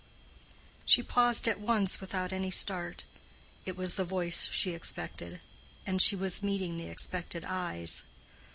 She paused at once without any start; it was the voice she expected, and she was meeting the expected eyes.